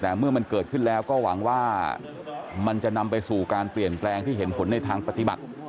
แต่เมื่อมันเกิดขึ้นแล้วก็หวังว่ามันจะนำไปสู่การเปลี่ยนแปลงที่เห็นผลในทางปฏิบัติ